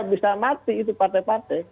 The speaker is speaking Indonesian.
bisa mati itu partai partai